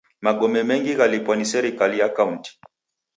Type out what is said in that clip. Magome mengi ghalipwa ni serikai ya kaunti.